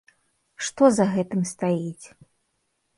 Што за гэтым стаіць?